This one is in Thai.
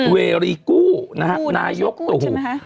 เวริกู้นายกตุหู